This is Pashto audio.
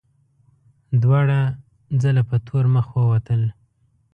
دواړه ځله په تور مخ ووتل.